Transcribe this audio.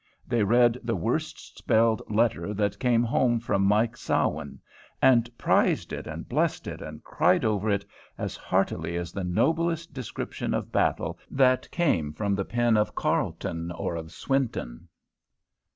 They read the worst spelled letter that came home from Mike Sawin, and prized it and blessed it and cried over it, as heartily as the noblest description of battle that came from the pen of Carleton or of Swinton.